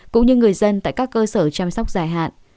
cũng như người dân tại các cơ sở chăm sóc dài hạn